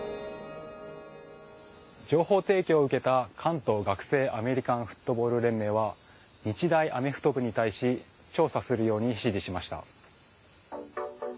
情報提供を受けた関東学生アメリカンフットボール連盟は日大アメフト部に対し調査するように指示しました。